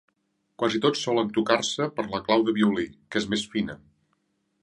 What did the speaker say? Quasi tots solen tocar-se per la clau de violí, que és més fina.